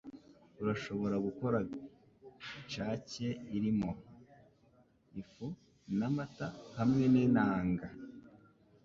Urashobora gukora cake irimo ifu n'amata hamwe nintanga.